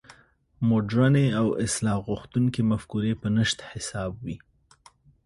مډرنې او اصلاح غوښتونکې مفکورې په نشت حساب وې.